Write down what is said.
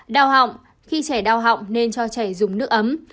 đau họng khi trẻ đau họng nên cho trẻ dùng nước ấm